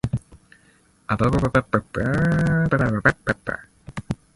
Soviet vexillologist V. N. Streltsov in Odessa described it as "electric blue".